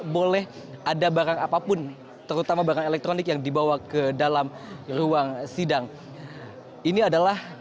boleh ada barang apapun terutama barang elektronik yang dibawa ke dalam ruang sidang ini adalah